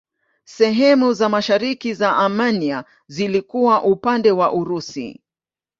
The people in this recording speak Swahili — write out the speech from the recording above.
Sehemu za mashariki za Armenia zilikuwa upande wa Urusi.